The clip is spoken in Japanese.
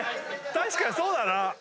確かにそうだな。